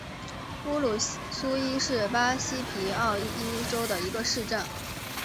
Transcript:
乌鲁苏伊是巴西皮奥伊州的一个市镇。